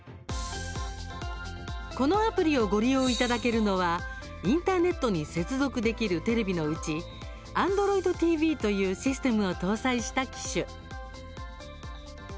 このアプリをご利用いただけるのはインターネットに接続できるテレビのうちＡｎｄｒｏｉｄＴＶというシステムを搭載した機種。